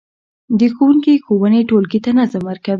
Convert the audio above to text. د ښوونکي ښوونې ټولګي ته نظم ورکوي.